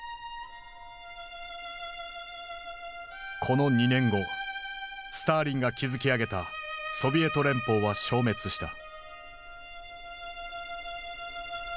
この２年後スターリンが築き上げたソビエト連邦は消滅した。